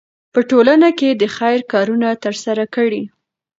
په ټولنه کې د خیر کارونه ترسره کړئ.